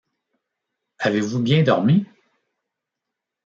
Avez-vous bien dormi ?